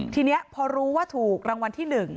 ทีนี้พอรู้ว่าถูกรางวัลที่๑